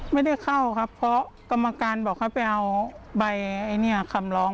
ไม่ได้เข้าครับเพราะกรรมการบอกให้ไปเอาใบคำร้อง